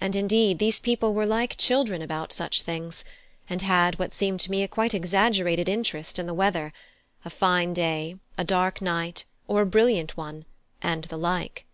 And indeed these people were like children about such things, and had what seemed to me a quite exaggerated interest in the weather, a fine day, a dark night, or a brilliant one, and the like.